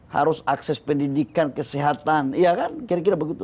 harus akses pendidikan kesehatan ya kan kira kira begitu